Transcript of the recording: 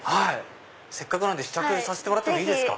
せっかくなんで試着させてもらっていいですか？